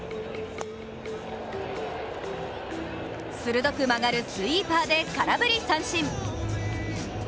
鋭く曲がるスイーパーで空振り三振。